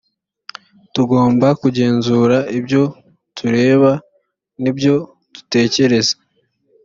tugomba kugenzura ibyo tureba n’ ibyo dutekereza